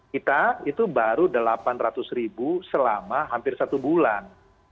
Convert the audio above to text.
kita itu baru delapan ratus ribu selama hampir satu bulan